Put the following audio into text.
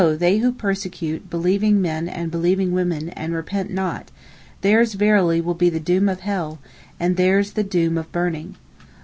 they who persecute believing men and believing women and repent not, theirs verily will be the doom of hell, and theirs the doom of burning.